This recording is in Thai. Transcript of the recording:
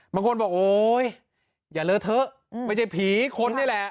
บางคนบอกโอ๊ยอย่าเลอะเถอะไม่ใช่ผีคนนี่แหละ